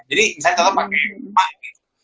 jadi misalnya misalnya pakai rumah gitu